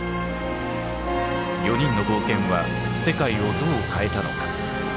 ４人の冒険は世界をどう変えたのか？